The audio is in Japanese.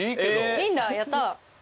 いいんだやった。